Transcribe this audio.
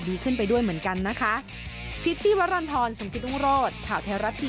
ดีขึ้นไปด้วยเหมือนกันนะคะ